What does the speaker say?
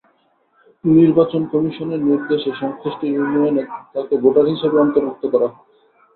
নির্বাচন কমিশনের নির্দেশে সংশ্লিষ্ট ইউনিয়নে তাঁকে ভোটার হিসেবে অন্তর্ভুক্ত করা হয়।